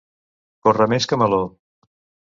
Corre més que Meló.